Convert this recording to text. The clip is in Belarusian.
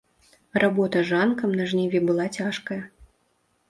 Работа жанкам на жніве была цяжкая.